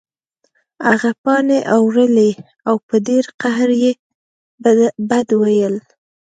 هغه پاڼې اړولې او په ډیر قهر یې بد ویل